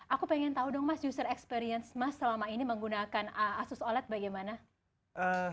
aku pengen tahu dong mas user experience mas selama ini menggunakan asus oled bagaimana